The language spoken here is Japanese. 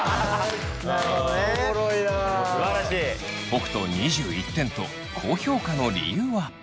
北斗２１点と高評価の理由は？